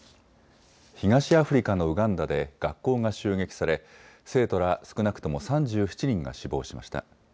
東アフリカのウガンダで学校が襲撃され生徒ら少なくとも３７人が死亡しました。